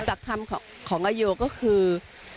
หลักธรรมของอาโยก็คือ